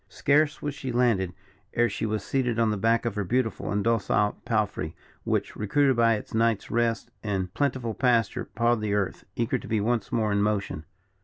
Scarce was she landed, ere she was seated on the back of her beautiful and docile palfrey, which, recruited by its night's rest and plentiful pasture, pawed the earth, eager to be once more in motion.